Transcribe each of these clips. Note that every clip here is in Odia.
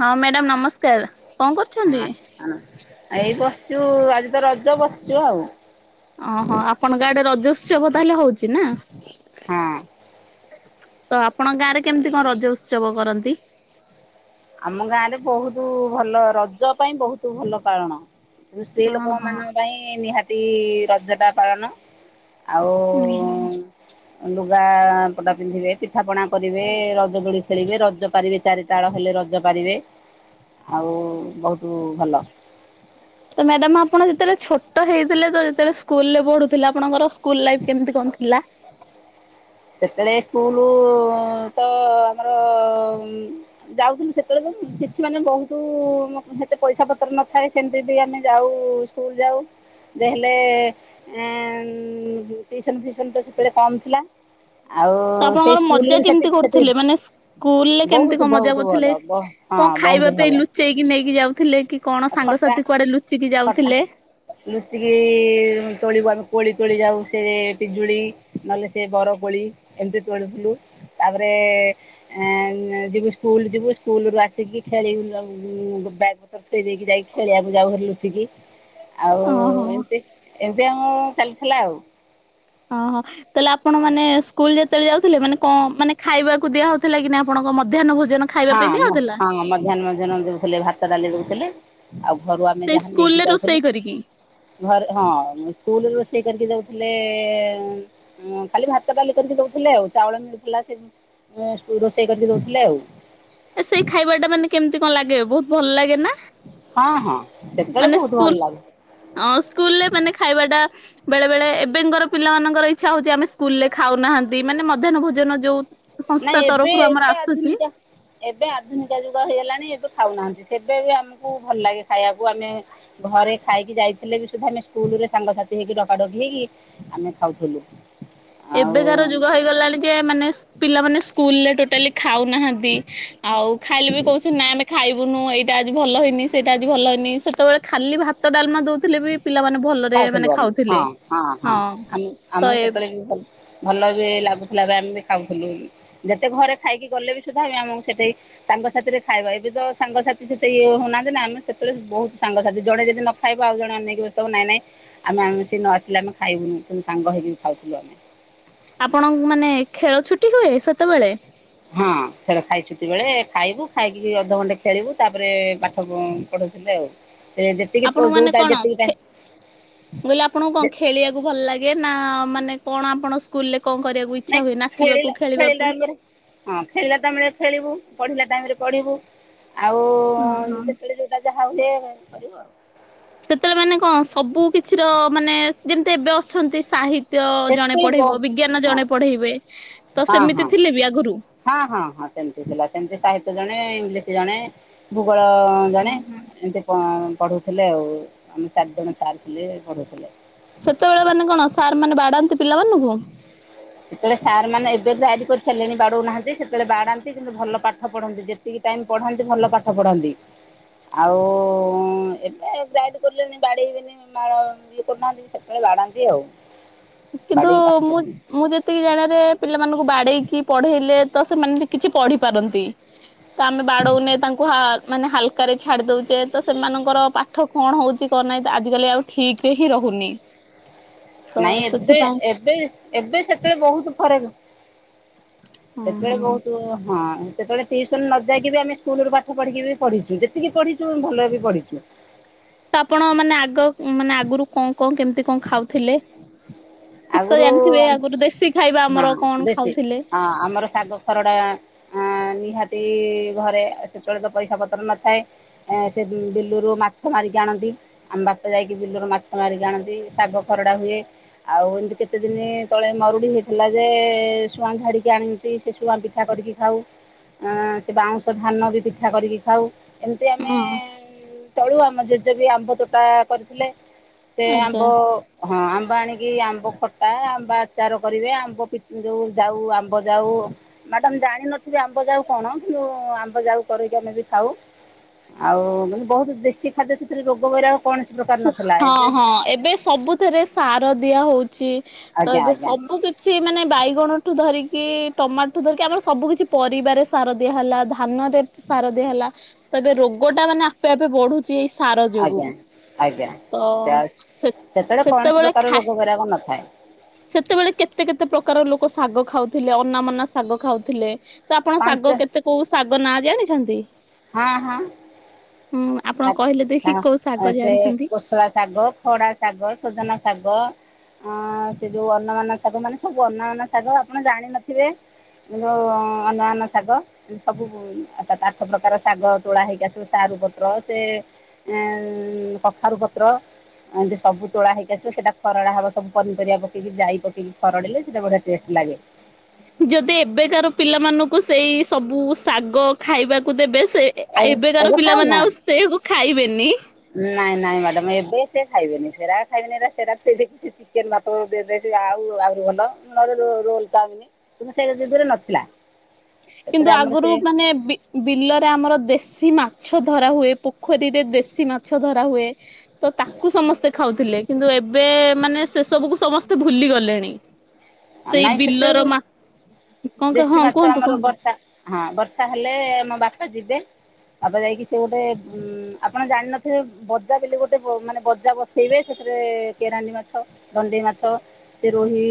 ହଁ ମ୍ୟାଡମ ନମସ୍କାର। କଣ କରୁଚ ହ ଏଇ ବସିଚୁ ଆଜି ତ ରଜ ବସିଚୁ ଆଉ। ଓହୋ, ଆପଣଙ୍କ ଆଡେ ରଜୋତ୍ସବ ତାହେଲେ ହଉଚି ନା? ହଁ। ତ ଆପଣଙ୍କ ଗାଁ ରେ କେମିତି କଣ ରଜ ଉତ୍ସବ କରନ୍ତି? ଆମ ଗାଁ ରେ ବହୁତୁ ଭଲ ରଜ ପାଇଁ ବହୁତୁ ଭଲ କାରଣ ସ୍ତ୍ରୀ ଓହୋ ଲୋକମାନଙ୍କ ପାଇଁ ନିହାତି ରଜଟା ପାଳନ। ଆଉଁ ହୁଁ ହୁଁ। ଲୁଗା ପଟା ପିନ୍ଧିବେ ପିଠାପଣା କରିବେ ରଜ ଦୋଳି ଖେଳିବେ ରଜ ପାଳିବେ ଚାରି ତାଳ ହେଲେ ରଜ ରଜପାଳିବେ ଆଉ ବହୁତ ଭଲ ତ ମ୍ୟାଡାମ ଆପଣ ଯେତେବେଳେ ଛୋଟ ହେଇଥିଲେ ତ ଯେତେବେଳେ ସ୍କୁଲ ରେ ପଢୁଥିଲେ ଆପଣଙ୍କର ସ୍କୁଲ ଲାଇଫ୍ କେମିତି କଣ ଥିଲା? ସେତେବେଳେ ସ୍କୁଲୁ ତ ଆମର ଅଁ ଯାଉଥିଲୁ ସେତେବେଳେ ତ କିଛି ମାନେ ବହୁତ ସେତେ ପଇସା ପତ୍ର ନଥାଏ ସେମିତି ବି ଆମେ ଯାଉ ସ୍କୁଲ ଯାଉଁ। ଯେତେ ହେଲେ ଏଁ ଟିଉସନ୍ ଫିଉସନ୍ ତ ସେତେବେଳେ କମ୍ ଥିଲା। ଆଉ ତ ସେଇ ଆପଣଙ୍କର ସ୍କୁଲରେ ମଜା ବି କେମିତି ସେତିକି କରୁଥିଲେ ମାନେ ସ୍କୁଲରେ ସେତିକି କେମିତି କଣ ବହୁତ ମଜା ବହୁତ କରୁଥିଲେ? ଭଲ ହବ। କଣ ହଁ ଖାଇବା ବହୁତ ପାଇଁ ଭଲ। ଲୁଚେଇକି ନେଇକି ଯାଉଥିଲେ କି କଣ ଖଟା ସାଙ୍ଗସାଥି କୁଆଡେ ଲୁଚିକି ଖଟା ଯାଉଥିଲେ? ଲୁଚିକି ତୋଳିବ ଆମେ କୋଳି ତୋଳି ଯାଉଁ ସେ ପିଜୁଳି ନହେଲେ ସେ ବରକୋଳି ଏମିତି ତୋଳୁଥିଲୁ ତାପରେ ଆଁ ଏଁମଁ ଯିବୁ ସ୍କୁଲ ଯିବୁ ସ୍କୁଲ ରୁ ଆସିକି ଖେଳିବୁ ସବୁ ବ୍ୟଗ ପତର ପକେଇ ଦେଇକି ଯାଇକି ଖେଳିବାକୁ ଯାଉଁ ଲୁଚିକି ଆଉ ଓହୋ ଏମିତି। ଏମିତି ଆମ ଚାଲିଥିଲା ଆଉଁ। ଅଁ ହଁ ତାହେଲେ ଆପଣ ମାନେ ସ୍କୁଲରେ ଯେତେବେଳେ ଯାଉଥିଲେ ମାନେ କଣ ମାନେ ଖାଇବାକୁ ଦିଆ ହଉଥିଲା କି ନାଁ ଆପଣଙ୍କ ମଧ୍ୟାହ୍ନ ଭୋଜନ। ଖାଇବା ହଁ ପାଇଁ ଦିଆ ମଁ ହଉଥିଲା? ହଁ ମମଧ୍ୟାହ୍ନ ଭୋଜନ ଦଉଥିଲେ ଭାତ ଡାଲି ଦଉଥିଲେ। ଆଉ ଘରୁ ଆମେ ସେଇ ଯାହା ସ୍କୁଲରେ ନେଇକି ଯାଉଥୁଲେ। ରୋଷେଇ କରିକି ଘରେ ହଁ ସ୍କୁଲ ରୋଷେଇ କରିକି ଦଉଥିଲେଏଁ। ଉଁ ଖାଲି ଭାତ ଡାଲି କରିକି ଦଉଥିଲେ ଆଉ ଚାଉଁଳ ମିଳୁଥିଲା। ସେଠୁଁ ସ୍କୁଲ ରୋଷେଇ କରିକି ଦଉଥିଲେ ଆଉ। ଏ ସେଇ ଖାଇବା ଟା ମାନେ କେମିତି କଣ ଲାଗେ ବହୁତ ଭଲ ଲାଗେ ନାଁ। ହଁ ହଁ ସେଥେଲେ ବହୁତ ଭଲ ଲାଗେ। ହଁ ସ୍କୁଲ ରେ ମାନେ ଖାଇବା ଟା ବେଳେ ବେଳେ ଏବେଙ୍କର ପିଲାମାନଙ୍କର ଇଚ୍ଛା ହଉଛି ଆମେ ସ୍କୁଲ ରେ ଖାଉନାହାନ୍ତି ମାନେ ମଧ୍ୟାହନ ଭୋଜନ ଯୋଉଁ। ନାଇଁ ସଂସ୍ଥା ଏବେ ତରଫରୁ ଆମର ଏବେ ଆସୁଛି। ଆଧୁନିକା ଏବେ ଆଧୁନିକ ଯୁଗ ହେଇଗଲାଣି ଏବେ ଖାଉନାହାନ୍ତି ସେବେ ବି ଆମକୁ ଭଲ ଲାଗେ ଖାଇବାକୁ ଆମେ ଘରେ ଖାଇକି ଯାଇଥିଲେ ବି ସୁଦ୍ଧା ଆମେ ସ୍କୁଲ ରେ ସାଙ୍ଗସାଥି ହେଇକି ଡକାଡକି ହେଇକି ଆମେ ଖାଉଥିଲୁ। ଏବେ କାର ଆଉ ଯୁଗ ହେଇଗଲାଣି। ଯେ ମାନେ ପିଲାମାନେ ସ୍କୁଲରେ ଟୋଟାଲି ଖାଉନାହାନ୍ତି। ଆଉ ଖାଇଲେ ବି କହୁଛନ୍ତି ନାଁ ଆମେ ଖାଇବୁନୁ ଏଇଟା ଆଜି ଭଲ ହେଇନି ସେଇଟା ଆଜି ଭଲ ହେଇନି ସେତେବେଳେ ଖାଲି ଭାତ ଡାଲମା ଦଉ ଖାଉଥୁଲୁ ଆମେ। ହଁ ହଁ ହଁ ଆମେ ତ ଆମକୁ ଏ ସେତେବେଳେ ବି ଭଲ ବି ଲାଗୁଥିଲା ବି ଆମେ ବି ଖାଉଥୁଲୁ ଯେତେ ଘରେ ଖାଇକି ଗଲେ ବି ସୁଧା ଆମକୁ ସେଠେଇଁ ସାଙ୍ଗସାଥି ରେ ଖାଇବା। ଏବେ ତ ସାଙ୍ଗସାଥି ସେତେ ଇଏ ହଉନାହାନ୍ତି ନାଁ ଆମେ ସେତେବେଳେ ବହୁତ ସାଙ୍ଗସାଥି ଜଣେ ଯଦି ନ ଖାଇବା ଆଉ ଜଣ ଅନେକ ବସ୍ତୁବ ନାଇଁ ନାଇଁ ଆମେଆମେ ସିଏ ନ ଆସିଲେ ଆମେ ଖାଇବୁନୁ କିନ୍ତୁ ସାଙ୍ଗ ହେଇକି ଖାଉଥିଲୁ ଆମେ। ଆପଣଙ୍କ ମାନେ ଖେଳ ଛୁଟି ହୁଏ ସେତେବେଳେ? ହଁ ଖେଳ ଖାଇଛୁଟି ବେଳେ ଖାଇବୁ ଖାଇକିରି ଅଧଘଣ୍ଟେ ଖେଳିବୁ ତାପରେ ପାଠ ପ ପଢଉଥିଲେ ଆଉ। ସେ ଯେତିକି ପ୍ ଆପଣଙ୍କୁ ମାନେ ଯୋଉଟା କଣ ଯେତିକି ଖେ ଟାଇମ୍। ମୁଁ କହିଲି ଆପଣଙ୍କୁ କଣ ଖେଳିବାକୁ ଭଲ ଲାଗେ ନାଁ ମାନେ କଣ ଆପଣ ସ୍କୁଲରେ? କଣ କରିବାକୁ ନାଇଁ ଇଚ୍ଛା ହୁଏ ଖେଳିଲା ନାଚିବାକୁ ଖେଳିଲା ଖେଳିବାକୁ? ବେଳେ ହଁ ଖେଳିଲା ଟାଇମ ରେ ଖେଳିବୁ ପଢିଲା ଟାଇମ ରେ ପଢିବୁ। ଆଉ ଓହୋ। ଯେତେବେଳେ ଯୋଉଁଟା ଯାହା ହୁଏ କରିବୁ ଆଉ। ସେତେବେଳେ ମାନେ କଣ ସବୁ କିଛିର ମାନେ ଯେମିତି ଏବେ ଅଛନ୍ତି ସାହିତ ସାହିତ୍ୟ ଜଣେ ସେତେ ବହୁ ପଢେଇବ ବିଜ୍ଞାନ ହଁ ଜଣେ ପଢେଇବେ ତ ହଁ, ସେମିତି ହଁ। ଥିଲେ ବି ଆଗରୁ ହଁ ହଁ ହଁ ସେମତି ଥିଲା ସେମତି ସାହିତ୍ୟ ଜଣେ ଇଂଲିଶ ଜଣେ ଭୂଗୋଳ [unintelligible] ଜଣେ ଏମିତି ପ ପଢୁଥିଲେ ଆଉ ଆମ ଚାରି ଜଣ ସାର୍ ଥିଲେ ପଢାଉଥିଲେ। ସେତେବେଳେ ମାନେ କଣ ସାର୍ ମାନେ ବାଡାନ୍ତି ପିଲାମାନଙ୍କୁୁ [inaudible] ସେତେବେଳେ ସାର୍ ମାନେ ଏବେ ଡାରି କରିସାରିଲେଣି ବାଡଉନାହାନ୍ତି ସେତେବେଳେ ବାଡ଼ାନ୍ତି କିନ୍ତୁ ଭଲ ପାଠ ପଢ଼ନ୍ତି ଯେ ଯେତିକି ଟାଇମ ପଢ଼ାନ୍ତି ଭଲ ପାଠ ପଢାନ୍ତି। ଆଉ ଏବେ ଯାଇଡ଼ କରିଲେଣି ବାଡେଇବେନି। ମାଡ଼ ଇଏ କରୁନାହାନ୍ତି ସେତେବେଳେ ବାଡ଼ାନ୍ତି ଆଉ। କିନ୍ତୁ ବାଡେଇକି ପାଠ ମୁଁ ପଢାନ୍ତି ମୁଁ ଯେତିକି ଜାଣିବାରେ ପିଲାମାନଙ୍କୁ ବାଡ଼େଇକି ପଢେଇଲେ ତ ସେମାନେ କିଛି ପଢ଼ି ପାରନ୍ତି ତ ଆମେ ବାଡଉନେ ତାଙ୍କୁ ମାନେ ହାଲକାରେ ଛାଡି ଦଉଛେ ତ ସେମାନଙ୍କର ପାଠ କଣ ହଉଛି କଣ ନାହିଁ ତ ଆଜିକାଲି ଆଉ ଠିକରେ ହିଁ ରହୁନି। ତ ନାଇଁ ଏବେ ସେଥିପାଇଁ ଏବେ ଏବେ ସେତେବେଳେ ବହୁତ ଫରକ ହୁଁ ସେତେବେଳେ ହୁଁ ବହୁତ ହଁ ସେତେବେଳେ ଟିୁସନ ନ ଯାଇକି ବି ଆମେ ସ୍କୁଲରୁ ପାଠ ପଢ଼ିକି ବି ପଢିଛୁ ଯେତିକି ପଢ଼ିଛୁ ଭଲ ବି ପଢ଼ିଛୁ। ତ ଆପଣ ମାନେ ଆଗ ମାନେ ଆଗରୁ କଣ କଣ କେମିତି କଣ ଖାଉଥିଲେ? କିଛି ତ ଜାଣିଥିବେ ଆଗରୁ ଆଗରୁ ଦେଶୀ ଖାଇବା ହଁ ଆମର କଣ ଖାଉଥିଲେ? ହରଡ଼ା ନିହାତି ଘରେ ସେତେବେଳେ ତ ପଇସା ପତ୍ର ନଥାଏ। ଅ ସେ ବିଲରୁ ମାଛ ମାରିକି ଆଣନ୍ତି ଆମ ବାପା ଯାଇକି ବିଲରୁ ମାଛ ମାରିକି ଆଣନ୍ତି। ଶାଗ ଖରଡ଼ା ହୁଏ। ଆଉ ଏମିତି କେତେ ଦିନି ତଳେ ମରୁଡି ହେଇଥିଲା ଯେ ସୁଆଁ ଝାଡିକି ଆଣି ସେ ସେ ସୁଆଁ ପିଠା କରିକି ଖାଉ ସେ ବାଉଁଶ ଧାନ ବି ପିଠା କରିକି ଖାଉ। ଏମିତି ଆମେ ଚଳୁ ଆମ ଜେଜେ ବି ଆମ୍ବ ତୋଟା କରିଥିଲେ ସେ ଆମ୍ ଆଜ୍ଞା [unintelligible] ହଁ ଆମ୍ବ ଆଣିକି ଆମ୍ବ ଖଟା, ଆମ୍ବ ଆଚାର କରିବେ ଆମ୍ବ ପିତ୍ ଯୋଉ ଯାଉ ଆମ୍ବ ଯାଉ ମ୍ୟାଡାମ୍ ଜାଣିିନଥିବେ ଆମ୍ବ ଯାଉ କଣ କିନ୍ତୁ ଆମ୍ବ ଯାଉ କରକି ଆମେ ବି ଖାଉ ଆଉ ବହୁତ ଦେଶୀ ଖାଦ୍ୟ ସେଥିରେ ରୋଗ ବୈରାଗ କୌଣସି ପ୍ରକାର ନଥିଲା ହଁ ଏବେ ହଁ ଏବେ ସବୁଥିରେ ସାର ଦିଆହୋଉଛି ତ ଆଜ୍ଞା ଏବେ ଆଜ୍ଞା ସବୁ କିଛି ସବୁ କିଛି ମାନେ ବାଇଗଣଠୁ ଧରିକି ଟମାଟଠୁ ଧରିକି ଆମର ସବୁ କିଛି ପରିବାରେ ସାର ଦିଆ ହେଲା ଧାନରେ ସାର ଦିଆହେଲା ତେବେ ରୋଗଟା ମାନେ ଆପେ ଆପେ ବଢୁଛି ଏଇ ସାର ଯୋଗୁ। ଆଜ୍ଞା ଆଜ୍ଞା ତ ସେ କୌଣସି ସେତେବେଳେ ପ୍ରକାର ଖା ରୋଗ ବୈରାଗ ନଥାଏ ସେତେବେଳେ କେତେ କେତେ ପ୍ରକାର ଲୋକ ଶାଗ ଖାଉଥିଲେ ଅନା ମନା ଶାଗ ଖାଉଥିଲେ ତ ଆପଣ ପାଞ୍ଚ ଶାଗ କେତେ କୋଉ ଶାଗ ନାଁ ଜାଣିଛନ୍ତି? ହଁ ହଁ ହୁଁ ଆପଣ କହିଲେ ଦେଖି କୋଉ ଶାଗ ସେ ଜାଣିଛନ୍ତି? କୋଷଳା ଶାଗ ଖଡା ଶାଗ ସଜନା ଶାଗ ଅଁ ସେ ଯୋଉ ଅନାମନା ଶାଗ ମାନେ ସବୁ ଅନାମନା ଶାଗ ଆପଣ ଜାଣିନଥିବେ। ସେ ଯୋଉ ଅନା ମନା ଶାଗ ସବୁ ସାତ ଆଠ ପ୍ରକାର ଶାଗ ତୋଳା ହେଇକି ତୋଳାହେଇକି ଆସିବ ସାରୁ ପତ୍ର ସେ ଏଁ କଖାରୁ ପତ୍ର ଏମିତି ସବୁ ତୋଳା ହେଇି ଆସିବ ସେଟା ଖରଡ଼ା ହବ ସବୁ ପନିରିବା ପକେଇକି ଯାଇ ପକେଇକି ଖରଡ଼ିଲେ ସେଇଟା ବଢିଆ ଟେଷ୍ଟ ଲାଗେ। ଯଦି ଏବେକାର ପିଲାମାନଙ୍କୁ ସେଇ ସବୁ ଶାଗ ଖାଇବାକୁ ଦେବେ ସେ ଏ ଆ ଏବେ ଏବେକାର ଖାଉନା? ପିଲାମାନେ ଆଉ ସେକୁ ଖାଇବେନି। ନାଇଁ ନାଇଁ ମ୍ୟାଡାମ ଏବେ ସେ ଖାଇବେନି ସେରା ଖାଇବେନି ସେ ଚିକେନ ଭାତ ଦେଇ ଆଉ ଆହୁରି ଭଲ ନହେଲେ ରୋଲ ଚାଇମିନ କିନ୍ତୁ ସେ ଯୁଗରେ ନଥିଲା। କିନ୍ତୁ ସେତେବେଳେ ଆମର ଆଗରୁ ସେ ମାନେ ବିଲରେ ଆମର ଦେଶୀ ମାଛ ଧରା ହୁଏ ପୋଖରୀରେ ରେ ଦେଶୀ ମାଛ ଧରା ହୁଏ ତ ତାକୁ ସମସ୍ତେ ଖାଉଥିଲେ କିନ୍ତୁ ଏବେ ମାନେ ସେ ସବୁକୁ ସମସ୍ତେ ଭୁଲି ଗଲେଣି ସେଇ ନାଇଁ ବିଲର ସେତେବେଳେ ମା କଣ କ ଦେଶୀ ହଁ ମାଛ କୁହନ୍ତୁ ଆମର କୁହନ୍ତୁ। ବର୍ଷା ହଁ ବର୍ଷା ହେଲେ ଆମ ବାପା ଯିବେ। ତାପ ଯାଇକି ସେ ଗୋଟେ ଉଁ ଆପଣ ଜାଣିନଥିବେ ବଜା ବ ଗୋଟେ ମାନେ ବଜା ବସେଇବେ ସେ ସେଥିରେ କେରାଣ୍ ମାଛ ଧଣ୍ଣ୍ଡେଇ ମାଛ ସେ ରୋହି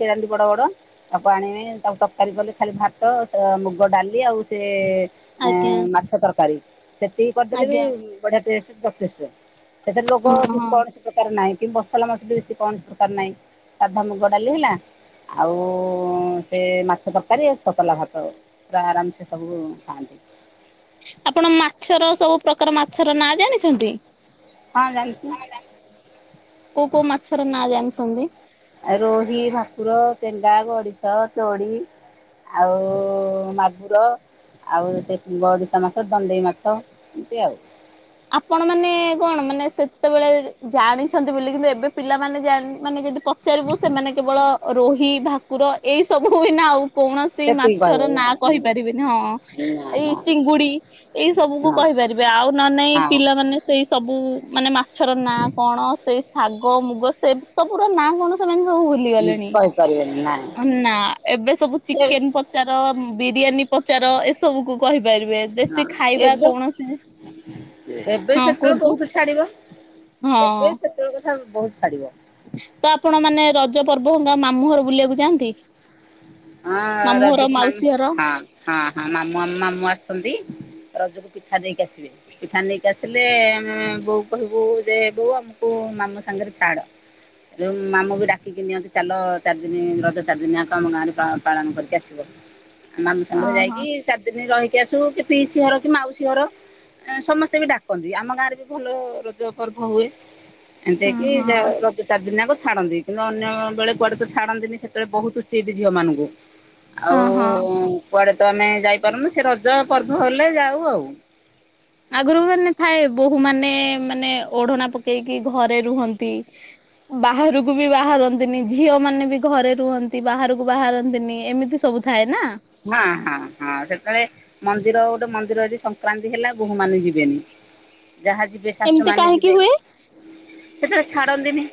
କେରାଣ୍ଡି ବଡ଼ ବଡ଼ ତାକୁ ଆଣିବା ତାକୁ ତରକାରୀ କଲେ ଖାଲି ଭାତ ମୁଗ ଡାଲି ଆଉ ସେ ଏ ଆଜ୍ଞା ମାଛ ତରକାରୀ ସେତିିକି କରିଦେଲେ ବି ଆଜ୍ଞା ବଢିଆ ଟେଷ୍ଟ ଯଥେଷ୍ଟ। ସେଥିରେ ଲୋକ ହଁ କି ହଁ କଣସି ପ୍ରକାର ନାହିଁ କି ମସଲା ମାସଲି ବି ବେଶ କୌଣସି ପ୍ରକାର ନାହିଁ ସାଧା ମୁଗ ଡାଲି ହେଲା ଆଉ ସେ ମାଛ ତରକାରୀ ତତଲା ଭାତ ପୁରା ଆରାମ ସେ ସବୁ ଖାଆନ୍ତି। ଆପଣ ମାଛର ସବୁ ପ୍ରକାର ମାଛର ନାଁ ଜାଣିଛନ୍ତି? ହଁ ଜାଣିଛି। କୋଉ କୋଉ ମାଛର ନାଁ ଜାଣିଛନ୍ତି? ଆଉ ରୋହି ଭାକୁର ଚେଙ୍ଗା ଗଡିଶ ତୋଡି ଆଉ ମାଗୁର ଆଉ ସେ ବଡ଼ିଶା ମାଛ ଦଣ୍ଡେଇ ମାଛ ଏମିତି ଆଉ। ଆପଣ ମାନେ କଣ ମାନେ ସେତେବେଳେ ଜାଣିଛନ୍ତି ବୋଲି କିନ୍ତୁ ଏବେ ପିଲାମାନୋଣି ମାନେ ଯଦି ପଚାରିବୁ ସେମାନେ କେବଳ ରୋହି ଭାକୁର ଏଇ ସବୁ ନା ଆଉ କୌଣସି ସେତିକି ମାଛର କହିବେ ନାଁ କହିପାରିବେିନି ହଁ। ନା ଏଇ ନା ଚିଙ୍ଗୁଡି ଏଇ ସବୁ କୁ ନା କହିପାରିବେ ଆଉ ନ ନାଇଁ ହଁ ପିଲା ମାନେ ସେଇ ସବୁ ମାନେ ମାଛର ନାଁ କଣ ସେଇ ଶାଗ ମୁଗ ସେବ ସବୁର ର ନାଁ କଣ ସେମାନେ ସବୁ ଭୁଲି ଗଲେଣି କହିପାରିବେନି ନାଇଁ ନା ଏବେ ସବୁ ସେ ଚିକେନ ପ ପଚାର ବିରିୟାନୀ ପଚାର ଏସବୁକୁୁ କହିପାରିବେ ଦେଶୀ ଖାଇବା ଏବେ କୌଣସି ଏବେ ହଁ ସେତେବେଳେ କୁହନ୍ତୁ ବହୁତ ଛାଡିବ ଏବେ ସେ ହଁ। ସେତେବେଳେ କଥା ବହୁତ ଛାଡିବ। ତ ଆପଣ ମାନେ ରଜ ପର୍ବ ହେ ମାମୁଁ ଘର ବୁଲିବାକୁ ଯାଆନ୍ତି? ହଁ ମାମୁଁ ଘର ରଜକୁ ମ ମାଉସୀ ଘର ହଁ ହଁ ହଁ ମାମୁଁ ମାମୁଁ ଆସଛନ୍ତି ରଜକୁ ପିଠା ଦେଇକି ଆସିବେ। ପିଠା ନେଇକି ଆସିଲେ ଆମେ ବୋଉ କହିବୁ ଯେ ବୋଉ ଆମକୁ ମାମୁ ସାଙ୍ଗରେ ଛାଡ। ମାମୁଁ ବିଡାିକି ନିଅନ୍ତି ଚାଲ ଚାରି ଦିନ ରଜ ଚାରି ଦିନି ଆ ଆମ ଗାଁରେ ପାଳନ କରିକି ଆସିବ ମାମୁ ସାଙ୍ଗରେ ଓହୋ ଯାଇକି ଚାରି ଦିନ ରହିକି ଆସୁ କି ପିଇ ସ ଘର କି ମାଉସୀ ଘର ସମସ୍ତେ ବି ଡାକ କନ୍ତି ଆମ ଗାଁରେ ବି ଭଲ ରଜ ପର୍ବ ହୁଏ ଏମିତି କି ଓହୋ ଯ ରଜ ଚାରି ଦିନି ଯଆକୁ ଛାଡନ୍ତି କିନ୍ତୁ ଅନ୍ୟ ବେଳେ କୁଆଡେ ତ ଛାଡନ୍ତିନି ସେତେବେଳେ ବହୁତ ଷ୍ଟିଟି ଝିଅ ମାନଙ୍କୁ। ଆଉ ଓହୋ। କୁଆଡେ ତ ଆମେ ଯାଇପାରୁନୁ ସେ ରଜ ପର୍ବ ହେଲେ ଯାଉ ଆଉ। ଆଗରୁ ମାନେ ଥାଏ ବୋହୁୂ ମାନେ ମାନେ ଓଢଣା ପକେଇକି ଘରେ ରୁହନ୍ତି ବାହାରକୁ ବି ବାହାରନ୍ତିନି ଝିଅ ମାନେ ବି ଘରେ ରୁହନ୍ତି ବାହାରକୁ ବାହାରନ୍ତିନି ଏମିତି ସବୁ ଥାଏ ନା। ହଁ ହଁ ହଁ ସେତେବେଳେ ମନ୍ଦିର ଗୋଟେ ମନ୍ଦିର ଯଦି ସଂକ୍ରାନ୍ତି ହେଲା ବୋହୂ ମାନେ ଯିବେନି ଯାହା ଯିବେ। ଶାଶୁ ଏମିତି ମାନେ କାହିଁକି ଯିବେ ହୁଏ। ସେତେବେଳେ ଛାଡନ୍ତିନି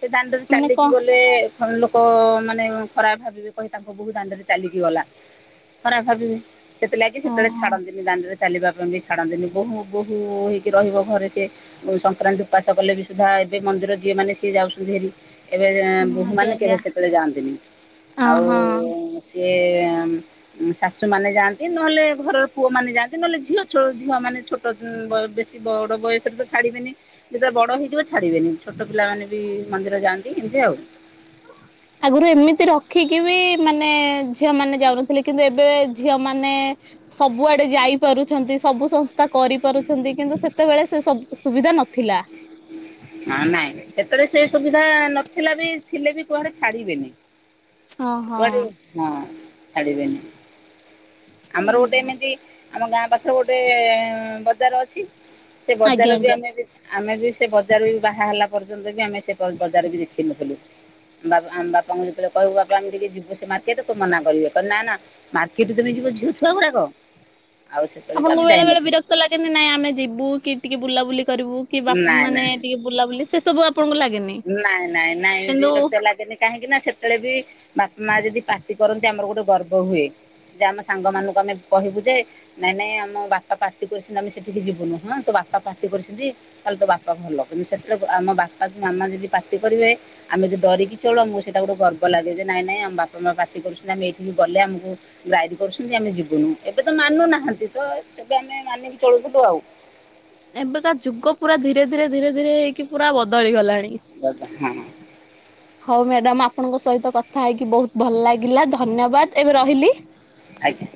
ସେ ଦାଣ୍ଡରେ ମାନେ କଣ ଚାଲିକି ଗଲେ। ଘର ଲୋକ ମାନେ ଖରାପ ଭାବିବେ କହିବେ ତାଙ୍କ ବହୁତ ଦାଣ୍ଡରେ ଚାଲିକି ଗଲା। ଖରାପ ଭାବିବେ ସେଥି ଲାଗି ସେତେବେଳେ ଓହୋ ଛାଡ଼ନ୍ତିନି ଦାଣ୍ଡରେ। ଚାଲିବା ପାଇଁ ବି ଛାଡ଼ନ୍ତିନି ବୋହୁ ବୋହୁୂ ହେଇକି ରହିବ ଘରେ ସେ। ସଂକ୍ରାନ୍ତି ଉପାସ କଲେ ବି ସୁଦ୍ଧା ଏବେ ମନ୍ଦିର ଯିଏ ମାନେ ସିଏ ଯାଉଛନ୍ତି ଭାରି। ଏବେ ଆଜ୍ଞା ବୋହୂମାନେ କେବେ ଆଜ୍ଞା ସେତେବେଳେ ଯାଆନ୍ତିନି ଆଉ ଓହୋ। ସିଏ। ଉଁ ଶାଶୁ ମାନେ ଯାଆନ୍ତି ନହେଲେ ଘରର ପୁଅ ମାନେ ଯାଆନ୍ତି ନହେଲେ ଝିଅ ଛୋ ଝିଅ ମାନେ ଛୋ ତ ବେଶୀ ବଡ ବୟସରେ ତ ଛାଡିବେନି ତ ଯେତେବେଳେ ବଡ ହେଇଯିବ ଛାଡିବେନି ଛୋଟ ପିଲାମାନେ ବି ମନ୍ଦିର ଯାଆନ୍ତି ଏମିତି ଆଉ। [unintelligible] ଆଗରୁ ଏମିତି ରଖିକି ବି ମାନେ ଝିଅ ମାନେ ଯାଉନଥିଲେ କିନ୍ତୁ ଏବେ ଝିଅ ମାନେ। ସବୁଆଡେ ଯାଇପାରୁଛନ୍ତି ସବୁ ସ ତା କରିପାରୁଛନ୍ତି କିନ୍ତୁ ସେତେବେଳେ ସେ ସୁବିଧା ନଥିଲା। ନାଁ ନାଇଁ ସେତେବେଳେ ସେ ସୁବିଧା ନଥିଲା ବି ଥିଲେ ବି କୁଆଡେ ଛାଡିବେନି। ହଁ ହଁ। କୁଆଡେ ହଁ ଛାଡ଼ିିବେନି। ଆମର ଗୋଟେ ଉଁ ଏମିତି ଆମ ଗାଁ ପାଖରେ ଗୋଟେ ବଜାର ଅଛି। ସେ ଆଜ୍ଞା ବଜାର ବି ଆଜ୍ଞା। ଆମେ ବି ଆମେ ବି ସେ ବ ବଜାର ବି ବାହା ହେଲା ପର୍ଯ୍ୟନ୍ତ ବି ଆମେ ସେ ବଜାର ବି ଦେଖ ନଥିଲୁ। [unintelligible] ଆମ ବାପାଙ୍କୁ ଯେତେବେଳେ କହିବୁ ବାପା ଆମେ ଟିକେ ଯିବୁ ସେ ମାର୍କେଟକୁ ମନା କରିବେ କହିବେ ନା ନା। ମାର୍କେଟ ତମେ ଯିବ ଝିଅ ଛୁଆ ଗୁଡାକ। ଆପଣଙ୍କୁ ବେଳେ ବେଳେ ବିରକ୍ତ ଲାଗେନି ନାଇଁ ଆମେ ଯିବୁ କି ଟିକେ ବୁଲାବୁଲି କରିବୁ କି ବା ନା ନା ମାନେ ଟିକେ। ବୁଲାବୁଲି ସେ ସବୁ ଆପଣଙ୍କୁ ଲାଗେନି। ନାଇଁ ନାଇଁ ନାଇଁ କିନ୍ତୁ ବିରକ୍ତିଆ ଲାଗେନି। କାହିଁକି ନା ସେତେବେଳେ ବି ବାପା ମା ଯଦି ପାଟି କରନ୍ତି ଆମର ଗୋଟେ ଗର୍ବ ହୁଏ। ଯେ ଆମ ସାଙ୍ଗମାନଙ୍କୁ ଆମେ କହିବୁ ଯେ। ନାଇଁ ନାଇଁ ଆମ ବାପା ପାଟି କରିଛନ୍ତି ଆମେ ସେଠିକି ଯିବୁନୁ ହଁ ତୋ ବାପା ପାଟି କରିଛନ୍ତି। ତାହେଲେ ତୋ ବାପା ଭଲ କିନ୍ତୁ ସେଥିରେ ଆମ ବାପା କୁ ମାମା ଯଦି ପାଟି କରିବେ। ଆମେ ଯଦି ଡରିକି ଚଳୁ ଆମୁକୁ ସେଟା ଗୋଟେ ଗର୍ବ ଲାଗେ ଯେ ନାଇଁ ନାଇଁ ଆମ ବାପା ମା ପାଟି କରୁଛନ୍ତି ଆମେ ଏଇଠିକି ଗଲେ ଆମକୁ। ଗାଇଡ୍ କରୁଛନ୍ତି ଆମେ ଯିବୁନୁ ଏବେ ତ ମାନୁନାହାନ୍ତି ତ ସେବେ ଆମେ ମାନିକି ଚଳୁଥୁଲୁ ଆଉ। ଏବେକା ଯୁଗ ପୁରା ଧୀରେ ଧୀରେ ଧୀରେ ଧୀରେ ହେଇକି ପୁରା ବଦଳି ଗଲାଣି। ହଁ। ହଉ ମ୍ୟାଡ଼ାମ ଆପଣଙ୍କ ସହିତ କଥା ହେଇକି ବହୁତୁ ଭଲ ଲାଗିଲା ଧନ୍ୟବାଦ। ଏବେ ରହିଲି। ଆଜ୍ଞା।